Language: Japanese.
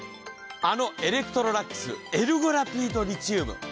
あのエレクトロラックスエルゴラピード・リチウム。